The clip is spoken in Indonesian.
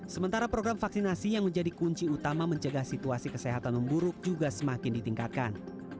sementara program vaksinasi yang menjadi kunci utama menjaga situasi kesehatan memburuk juga semakin ditingkatkan